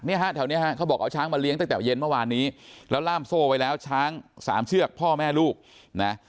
ฮะแถวนี้ฮะเขาบอกเอาช้างมาเลี้ยงตั้งแต่เย็นเมื่อวานนี้แล้วล่ามโซ่ไว้แล้วช้างสามเชือกพ่อแม่ลูกนะ